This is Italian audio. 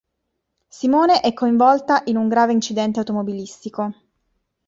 Simone è coinvolta in un grave incidente automobilistico.